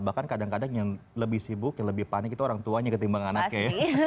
bahkan kadang kadang yang lebih sibuk yang lebih panik itu orang tuanya ketimbang anaknya ya